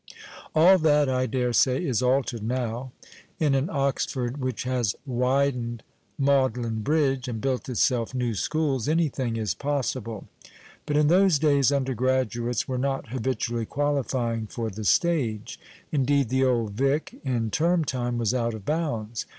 All that, I daresay, is altered now. In an Oxford which has widened Magdalen Bridge and built itself new Schools anything is possible, liut in those days undergraduates were not habitually qualifying for the stage ; indeed, the old " Vie " in term time was out of bounds.